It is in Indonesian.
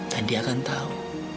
dan dia akan tahu